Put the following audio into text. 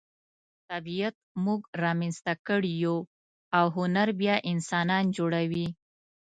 طبیعت موږ را منځته کړي یو او هنر بیا انسانان جوړوي.